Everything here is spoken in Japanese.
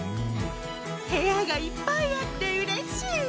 へやがいっぱいあってうれしいわ。